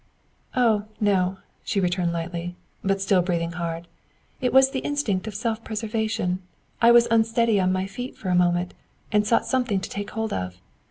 "Oh, no," she returned lightly, but still breathing hard; "it was the instinct of self preservation. I was unsteady on my feet for a moment, and sought something to take hold of.